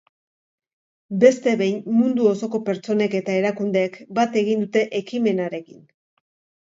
Beste behin, mundu osoko pertsonek eta erakundeek bat egin dute ekimenarekin.